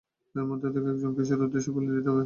এদের মধ্য থেকেই একজনকে ঈশ্বরের উদ্দেশ্যে বলী দিতে হবে!